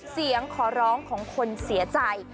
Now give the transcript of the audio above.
เสียงขอร้องของคนเสียใจ